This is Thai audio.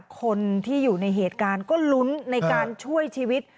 คนที่อยู่ในเหตุการณ์ก็ลุ้นในการช่วยชีวิต